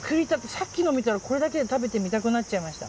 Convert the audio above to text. さっきのを見たらこれだけで食べてみたくなっちゃいました。